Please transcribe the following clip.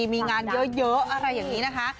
มีงานเยอะอะไรอย่างนี้นะคะ